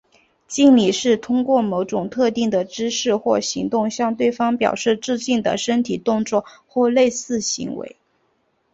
敬礼是通过某种特定的姿势或行动向对方表示致敬的身体动作或类似行为。